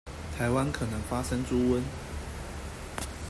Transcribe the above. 臺灣可能發生豬瘟